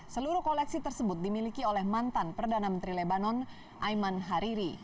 seluruh koleksi tersebut dimiliki oleh mantan perdana menteri lebanon aiman hariri